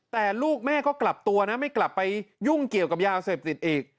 แต่ลูกแม่ก็กลับตัวนะไม่กลับไปยุ่งเกี่ยวกับยาเสพติดอีก